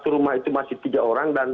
satu rumah itu masih tiga orang dan